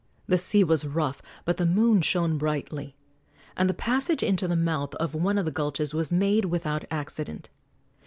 The sea was rough, but the moon shone brightly, and the passage into the mouth of one of the gulches was made without accident.